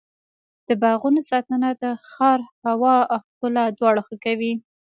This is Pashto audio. د باغونو ساتنه د ښار هوا او ښکلا دواړه ښه کوي.